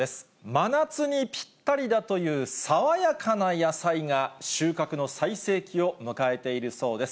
真夏にぴったりだという爽やかな野菜が収穫の最盛期を迎えているそうです。